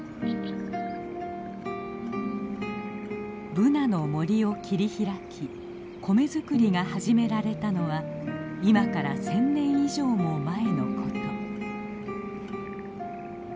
ブナの森を切り開き米作りが始められたのは今から１，０００年以上も前のこと。